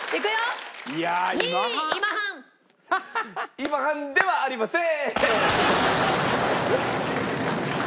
今半ではありませーん！